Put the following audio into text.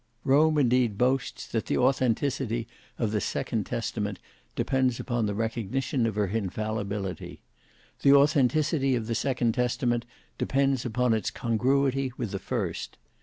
Rome indeed boasts that the authenticity of the second Testament depends upon the recognition of her infallibility. The authenticity of the second Testament depends upon its congruity with the first.